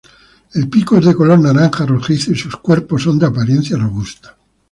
El pico es de color naranja rojizo y sus cuerpos son de apariencia robusta.